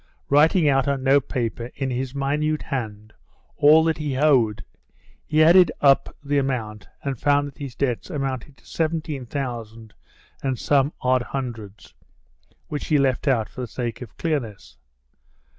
Writing out on note paper in his minute hand all that he owed, he added up the amount and found that his debts amounted to seventeen thousand and some odd hundreds, which he left out for the sake of clearness.